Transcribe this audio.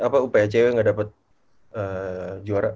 apa uph cewek gak dapet juara